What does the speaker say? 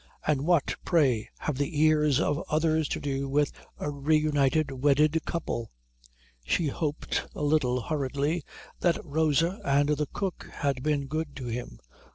"And what, pray, have the ears of others to do with a reunited wedded couple?" She hoped, a little hurriedly, that Rosa and the cook had been good to him.